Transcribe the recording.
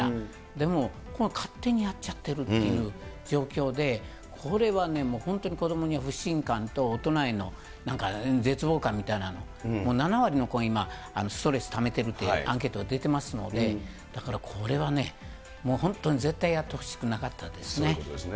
でも、勝手にやっちゃってるっていう状況で、これはね、本当に子どもに不信感と大人へのなんか絶望感みたいなのを７割の子、今、ストレスをためているというアンケートが出てますので、だから、これはね、もう本当に絶対やってほしくなかったですね。